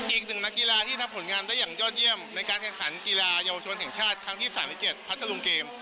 อีกหนึ่งนักกีฬาที่ทำผลงานได้อย่างยอดเยี่ยมในการแข่งขันกีฬาเยาวชนแห่งชาติครั้งที่๓๗พัทธรุงเกม